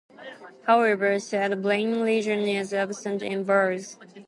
However, said brain region is absent in birds.